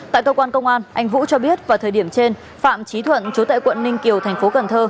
tại cơ quan công an anh vũ cho biết vào thời điểm trên phạm trí thuận trú tại quận ninh kiều thành phố cần thơ